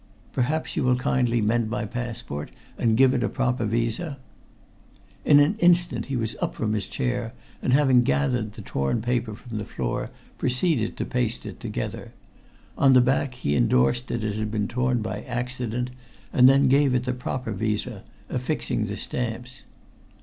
"Perhaps you will kindly mend my passport, and give it a proper visé." In an instant he was up from his chair, and having gathered the torn paper from the floor, proceeded to paste it together. On the back he endorsed that it had been torn by accident, and then gave it the proper visé, affixing the stamps.